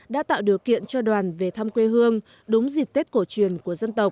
đã tạo điều kiện cho đoàn về thăm quê hương đúng dịp tết cổ truyền của dân tộc